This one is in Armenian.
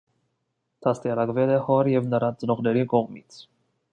Դաստիարակվել է հոր և նրա ծնողների կողմից։